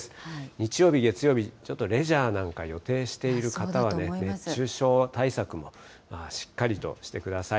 日曜日、月曜日、ちょっとレジャーなんか予定している方は、熱中症対策もしっかりとしてください。